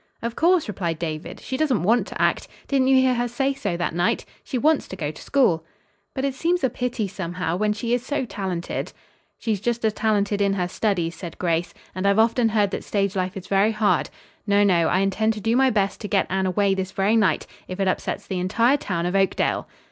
"Of course," replied David. "She doesn't want to act. Didn't you hear her say so that night? She wants to go to school." "But it seems a pity, somehow, when she is so talented." "She's just as talented in her studies," said Grace, "and I've often heard that stage life is very hard. No, no! I intend to do my best to get Anne away this very night, if it upsets the entire town of Oakdale."